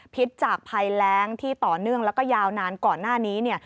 พิษจากภัยแรงที่ต่อเนื่องแล้วก็ยาวนานก่อนหน้านี้เนี่ย